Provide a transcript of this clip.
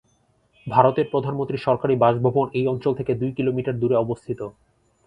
ভারতের প্রধানমন্ত্রীর সরকারি বাসভবন এই অঞ্চল থেকে দুই কিলোমিটার দূরে অবস্থিত।